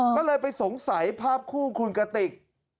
ก็เลยไปสงสัยภาพคู่คุณกติก